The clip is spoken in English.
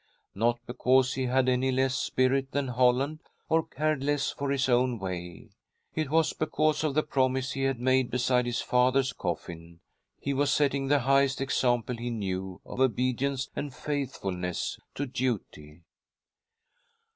Not because he had any less spirit than Holland, or cared less for his own way. It was because of the promise he had made beside his father's coffin. He was setting the highest example he knew of obedience and faithfulness to duty.